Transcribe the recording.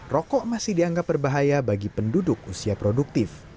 rokok masih dianggap berbahaya bagi penduduk usia produktif